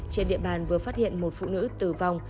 trên địa bàn vừa phát hiện một phụ nữ tử vong